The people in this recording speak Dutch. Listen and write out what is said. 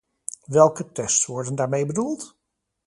Welke tests worden daarmee bedoeld?